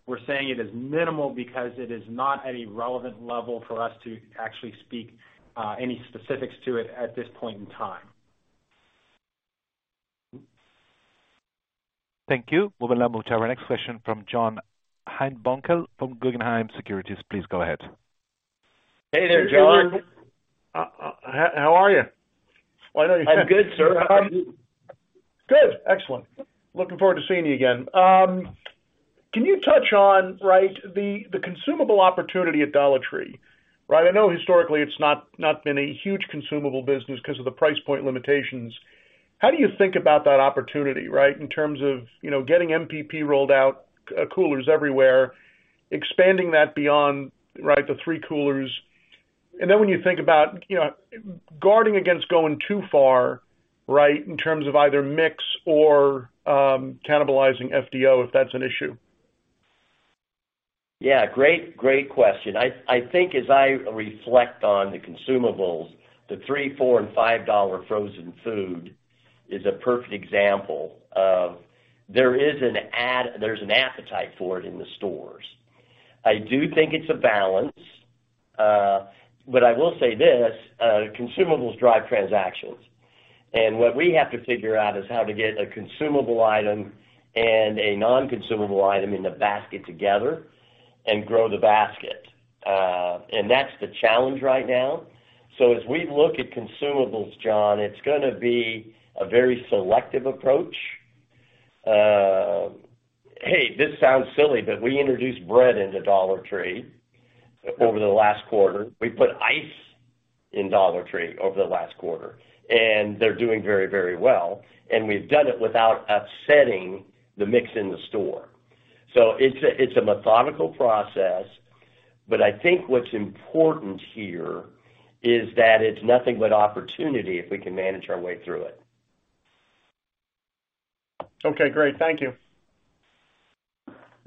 We're saying it is minimal because it is not at a relevant level for us to actually speak any specifics to it at this point in time. Thank you. We'll now move to our next question from John Heinbockel from Guggenheim Securities. Please go ahead. Hey there, John. Hey, John. how are you? Well, I know you can't. I'm good, sir. How are you? Good. Excellent. Looking forward to seeing you again. Can you touch on, right, the consumable opportunity at Dollar Tree, right? I know historically it's not been a huge consumable business because of the price point limitations. How do you think about that opportunity, right? In terms of, you know, getting MPP rolled out, coolers everywhere, expanding that beyond, right, the three coolers. When you think about, you know, guarding against going too far, right, in terms of either mix or, cannibalizing FDO, if that's an issue. Yeah, great question. I think as I reflect on the consumables, the $3, $4, and $5 frozen food is a perfect example of there's an appetite for it in the stores. I do think it's a balance, but I will say this, consumables drive transactions. What we have to figure out is how to get a consumable item and a non-consumable item in the basket together and grow the basket. That's the challenge right now. As we look at consumables, John, it's gonna be a very selective approach. Hey, this sounds silly, but we introduced bread into Dollar Tree over the last quarter. We put ice in Dollar Tree over the last quarter, and they're doing very, very well, and we've done it without upsetting the mix in the store. It's a methodical process, but I think what's important here is that it's nothing but opportunity if we can manage our way through it. Okay, great. Thank you.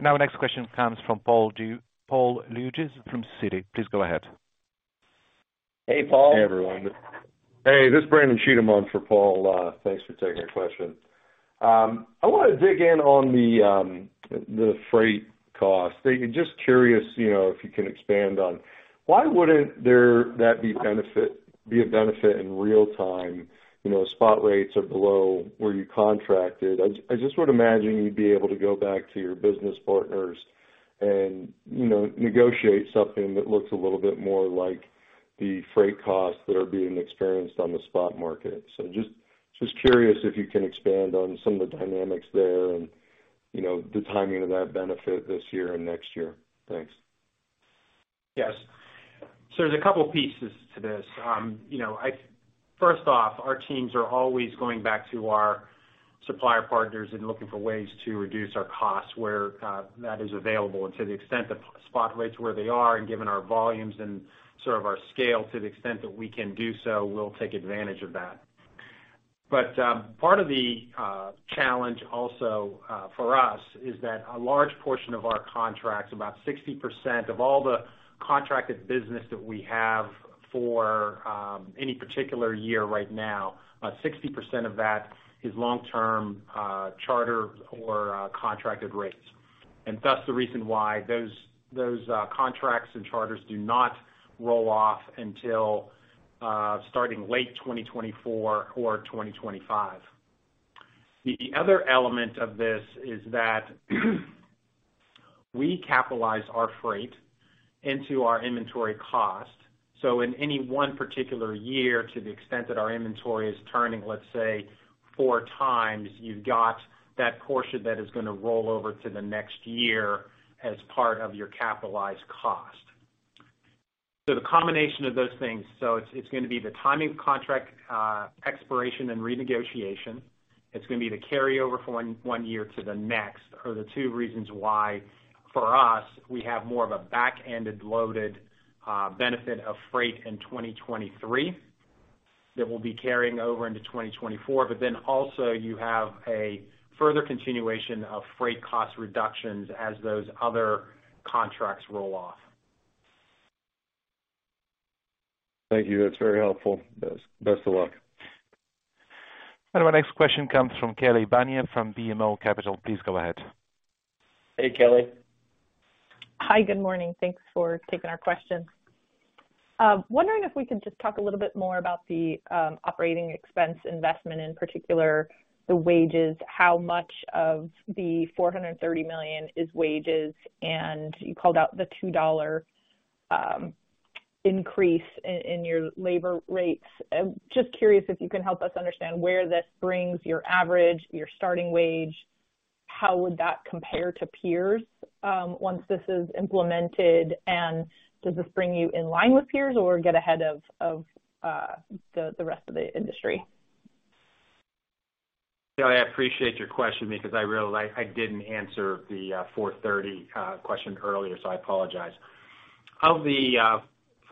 Now our next question comes from Paul Lejuez from Citi. Please go ahead. Hey, Paul. Hey, everyone. Hey, this is Brandon Cheatham for Paul. Thanks for taking the question. I wanna dig in on the freight cost. Just curious, you know, if you can expand on why wouldn't that be a benefit in real time? You know, spot rates are below where you contracted. I just would imagine you'd be able to go back to your business partners and, you know, negotiate something that looks a little bit more like the freight costs that are being experienced on the spot market. Just curious if you can expand on some of the dynamics there and, you know, the timing of that benefit this year and next year. Thanks. Yes. There's a couple pieces to this. you know, first off, our teams are always going back to our supplier partners and looking for ways to reduce our costs where that is available. To the extent the spot rates where they are and given our volumes and sort of our scale to the extent that we can do so, we'll take advantage of that. Part of the challenge also for us is that a large portion of our contracts, about 60% of all the contracted business that we have for any particular year right now, 60% of that is long-term charter or contracted rates. Thus the reason why those contracts and charters do not roll off until starting late 2024 or 2025. The other element of this is that we capitalize our freight into our inventory cost. In any one particular year, to the extent that our inventory is turning, let's say, 4 times, you've got that portion that is gonna roll over to the next year as part of your capitalized cost. The combination of those things. It's gonna be the timing of contract expiration and renegotiation. It's gonna be the carryover for one year to the next are the two reasons why, for us, we have more of a back-ended loaded benefit of freight in 2023 that will be carrying over into 2024. Also you have a further continuation of freight cost reductions as those other contracts roll off. Thank you. That's very helpful. Best of luck. Our next question comes from Kelly Bania from BMO Capital. Please go ahead. Hey, Kelly. Hi, good morning. Thanks for taking our question. Wondering if we can just talk a little bit more about the operating expense investment, in particular, the wages, how much of the $430 million is wages, and you called out the $2 increase in your labor rates. Just curious if you can help us understand where this brings your average, your starting wage, how would that compare to peers once this is implemented? Does this bring you in line with peers or get ahead of the rest of the industry? Kelly, I appreciate your question because I realize I didn't answer the 430 question earlier, so I apologize. Of the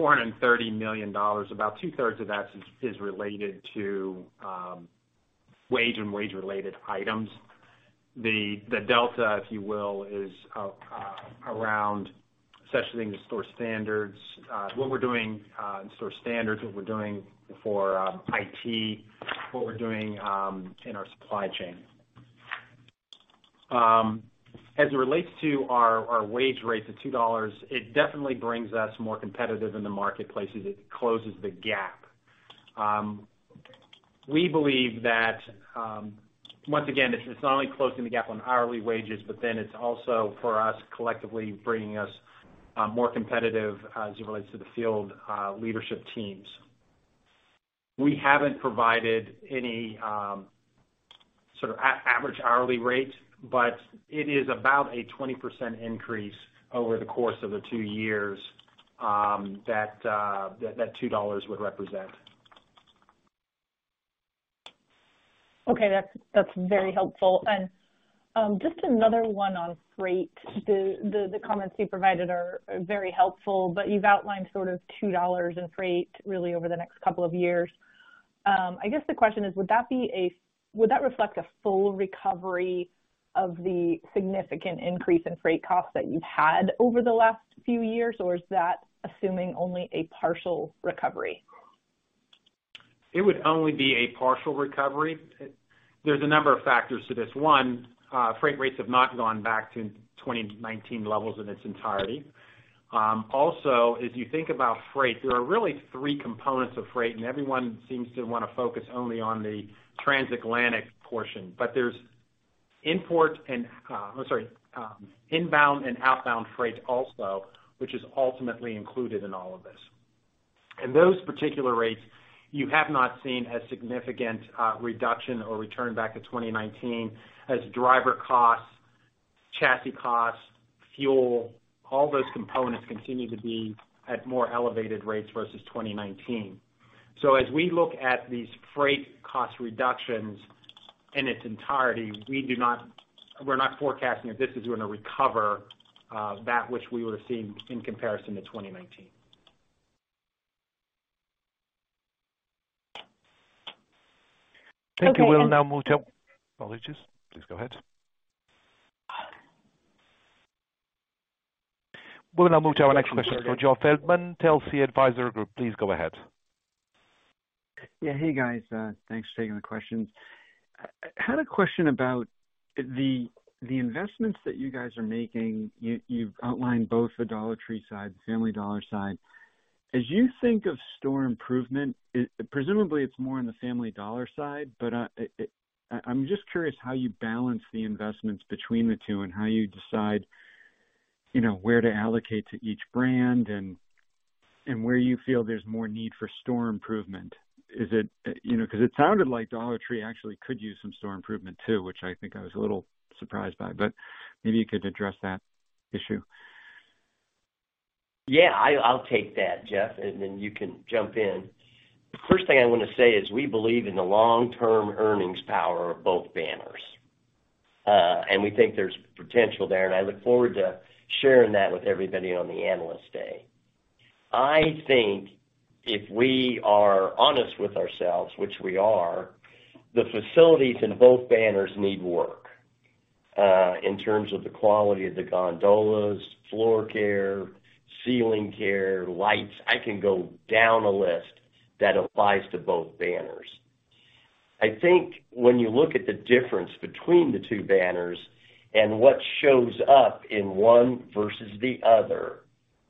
$430 million, about two-thirds of that is related to wage and wage-related items. The delta, if you will, is around such things as store standards, what we're doing in store standards, what we're doing for IT, what we're doing in our supply chain. As it relates to our wage rate to $2, it definitely brings us more competitive in the marketplace as it closes the gap. We believe that once again, it's not only closing the gap on hourly wages, but then it's also for us collectively bringing us more competitive as it relates to the field leadership teams. We haven't provided any. Sort of average hourly rate, it is about a 20% increase over the course of the 2 years, that $2 would represent. Okay. That's very helpful. Just another one on freight. The comments you provided are very helpful, but you've outlined sort of $2 in freight really over the next couple of years. I guess the question is, would that reflect a full recovery of the significant increase in freight costs that you've had over the last few years? Or is that assuming only a partial recovery? It would only be a partial recovery. There's a number of factors to this. One, freight rates have not gone back to 2019 levels in its entirety. Also, as you think about freight, there are really three components of freight, and everyone seems to wanna focus only on the transatlantic portion, but there's import and inbound and outbound freight also, which is ultimately included in all of this. Those particular rates you have not seen a significant reduction or return back to 2019 as driver costs, chassis costs, fuel, all those components continue to be at more elevated rates versus 2019. As we look at these freight cost reductions in its entirety, we're not forecasting that this is gonna recover that which we would have seen in comparison to 2019. Okay. Thank you. Apologies. Please go ahead. We'll now move to our next question from Joe Feldman, Telsey Advisory Group. Please go ahead. Hey, guys. Thanks for taking the question. I had a question about the investments that you guys are making. You, you've outlined both the Dollar Tree side, Family Dollar side. As you think of store improvement, presumably it's more on the Family Dollar side, but I'm just curious how you balance the investments between the two and how you decide, you know, where to allocate to each brand and where you feel there's more need for store improvement. Is it, you know, 'cause it sounded like Dollar Tree actually could use some store improvement, too, which I think I was a little surprised by, but maybe you could address that issue. Yeah, I'll take that, Jeff, and then you can jump in. The first thing I wanna say is we believe in the long-term earnings power of both banners. We think there's potential there, and I look forward to sharing that with everybody on the Analyst Day. I think if we are honest with ourselves, which we are, the facilities in both banners need work, in terms of the quality of the gondolas, floor care, ceiling care, lights. I can go down a list that applies to both banners. I think when you look at the difference between the two banners and what shows up in one versus the other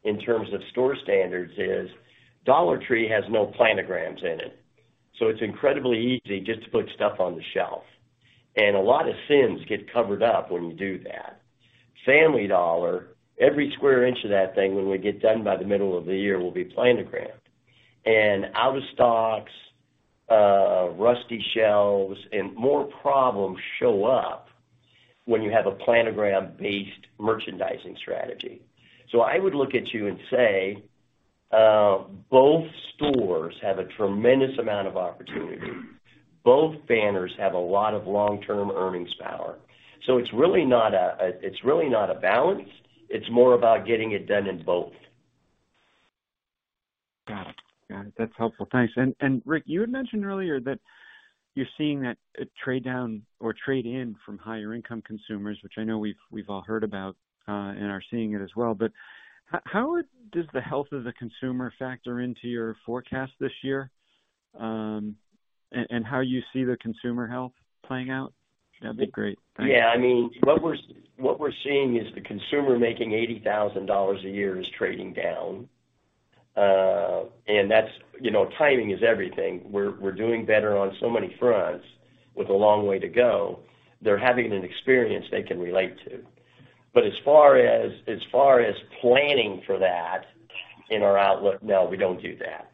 in terms of store standards is Dollar Tree has no planograms in it, so it's incredibly easy just to put stuff on the shelf. A lot of sins get covered up when you do that. Family Dollar, every square inch of that thing, when we get done by the middle of the year, will be planogrammed. Out of stocks, rusty shelves, and more problems show up when you have a planogram-based merchandising strategy. I would look at you and say, both stores have a tremendous amount of opportunity. Both banners have a lot of long-term earnings power. It's really not a balance. It's more about getting it done in both. Got it. That's helpful. Thanks. Rick, you had mentioned earlier that you're seeing that trade down or trade in from higher income consumers, which I know we've all heard about, and are seeing it as well. How does the health of the consumer factor into your forecast this year, and how you see the consumer health playing out? That'd be great. Thanks. Yeah. I mean, what we're seeing is the consumer making $80,000 a year is trading down. That's, you know, timing is everything. We're doing better on so many fronts with a long way to go. They're having an experience they can relate to. As far as planning for that in our outlook, no, we don't do that.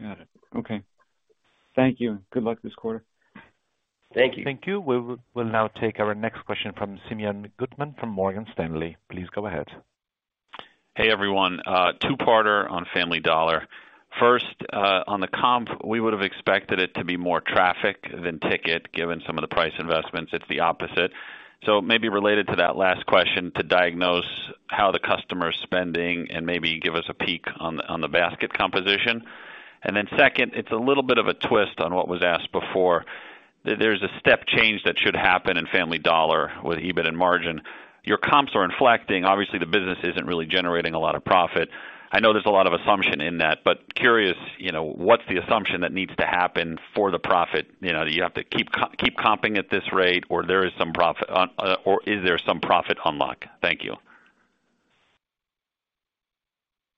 Got it. Okay. Thank you. Good luck this quarter. Thank you. Thank you. We will now take our next question from Simeon Gutman from Morgan Stanley. Please go ahead. Hey, everyone. Two-parter on Family Dollar. First, on the comp, we would have expected it to be more traffic than ticket, given some of the price investments. It's the opposite. Maybe related to that last question, to diagnose how the customer is spending and maybe give us a peek on the basket composition. Second, it's a little bit of a twist on what was asked before. There's a step change that should happen in Family Dollar with EBIT and margin. Your comps are inflecting. Obviously, the business isn't really generating a lot of profit. I know there's a lot of assumption in that, but curious, you know, what's the assumption that needs to happen for the profit? You know, do you have to keep comping at this rate or there is some profit, or is there some profit unlock? Thank you.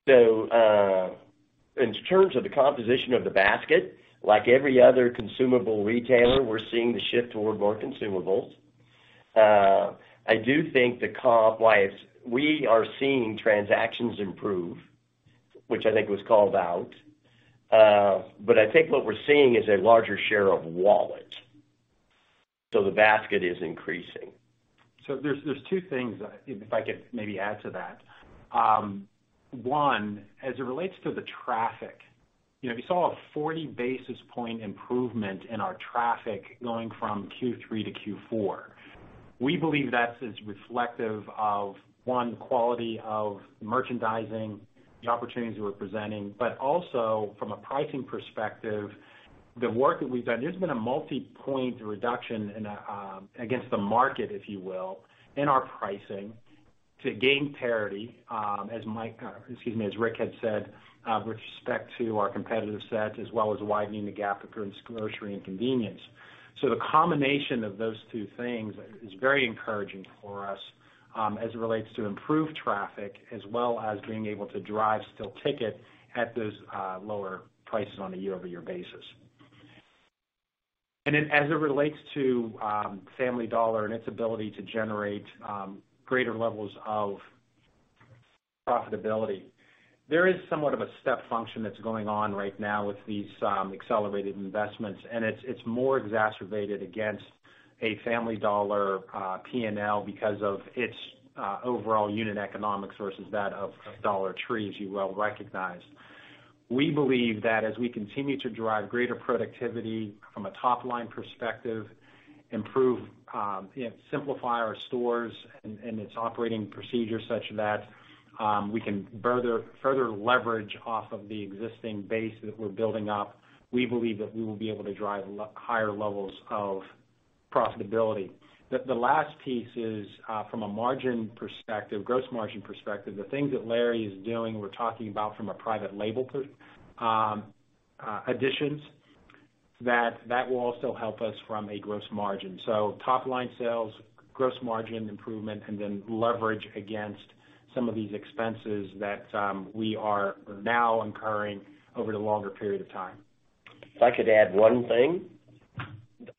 In terms of the composition of the basket, like every other consumable retailer, we're seeing the shift toward more consumables. I do think the comp, why we are seeing transactions improve. Which I think was called out. But I think what we're seeing is a larger share of wallet. The basket is increasing. There's two things, if I could maybe add to that. One, as it relates to the traffic, you know, we saw a 40 basis point improvement in our traffic going from Q3 to Q4. We believe that is reflective of one, quality of merchandising, the opportunities we're presenting, but also from a pricing perspective, the work that we've done. There's been a multi-point reduction in against the market, if you will, in our pricing to gain parity, as Rick had said, with respect to our competitive set, as well as widening the gap against grocery and convenience. The combination of those two things is very encouraging for us, as it relates to improved traffic, as well as being able to drive still ticket at those lower prices on a year-over-year basis. As it relates to Family Dollar and its ability to generate greater levels of profitability, there is somewhat of a step function that's going on right now with these accelerated investments, and it's more exacerbated against a Family Dollar P&L because of its overall unit economics versus that of Dollar Tree, as you well recognize. We believe that as we continue to drive greater productivity from a top-line perspective, improve, you know, simplify our stores and its operating procedures such that we can further leverage off of the existing base that we're building up, we believe that we will be able to drive higher levels of profitability. The last piece is from a margin perspective, gross margin perspective, the things that Larry is doing, we're talking about from a private label additions, that will also help us from a gross margin. Top line sales, gross margin improvement, and then leverage against some of these expenses that we are now incurring over the longer period of time. If I could add one thing.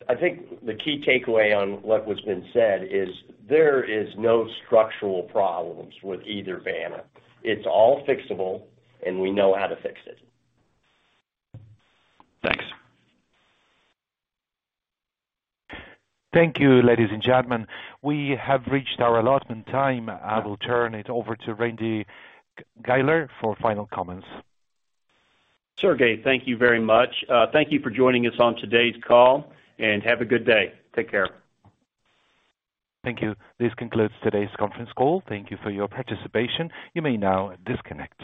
I think the key takeaway on what was been said is there is no structural problems with either banner. It's all fixable and we know how to fix it. Thanks. Thank you, ladies and gentlemen. We have reached our allotment time. I will turn it over to Randy Guiler for final comments. Sergey, thank you very much. Thank you for joining us on today's call. Have a good day. Take care. Thank you. This concludes today's conference call. Thank you for your participation. You may now disconnect.